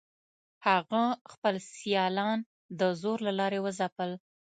هغه خپل سیالان د زور له لارې وځپل.